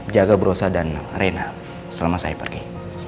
jaga brosa dan reina selama saya pergi